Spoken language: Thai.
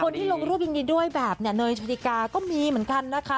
คนที่ลงรูปยินดีด้วยแบบเนี่ยเนยโชติกาก็มีเหมือนกันนะคะ